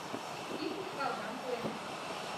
Ик ушкалдам пуэн